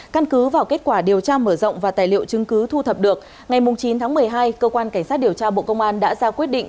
căn cứ vào kết quả điều tra mở rộng và tài liệu chứng cứ thu thập được ngày chín tháng một mươi hai cơ quan cảnh sát điều tra bộ công an đã ra quyết định